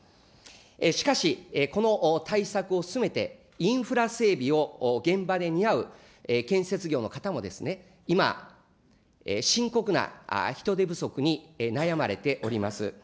しかし、この対策を進めて、インフラ整備を現場で担う建設業の方も、今、深刻な人手不足に悩まれております。